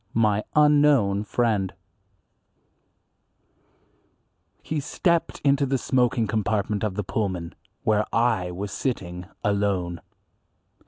IV. My Unknown Friend HE STEPPED into the smoking compartment of the Pullman, where I was sitting alone.